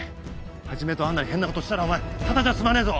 始とアンナに変なことしたらお前ただじゃ済まねえぞ！